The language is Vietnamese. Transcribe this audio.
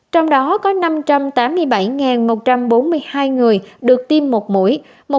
trong đó có năm trăm tám mươi bảy một trăm bốn mươi hai người được tiêm một mũi